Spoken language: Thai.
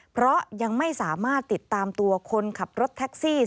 เพราะยังไม่สามารถติดตามตัวคนขับรถแท็กซี่